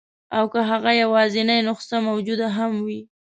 او که هغه یوازنۍ نسخه موجوده هم وي.